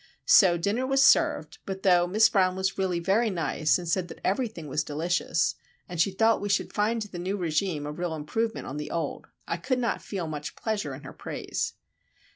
So dinner was served; but though Miss Brown was really very nice, and said that everything was "delicious," and she thought we should find the new régime a real improvement on the old, I could not feel much pleasure in her praise.